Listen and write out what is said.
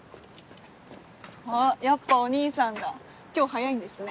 あやっぱお兄さんだ今日早いんですね。